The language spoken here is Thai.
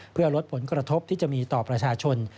เพื่อลดผลกระทบที่จะมีต่อประชาชน